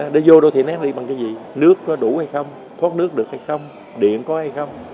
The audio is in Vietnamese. để vô đôi thị nén đi bằng cái gì nước có đủ hay không thuốc nước được hay không điện có hay không